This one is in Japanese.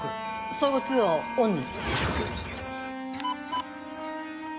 相互通話をオンに。